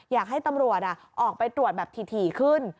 อยากให้ตำรวจออกไปตรวจแบบถี่ขึ้น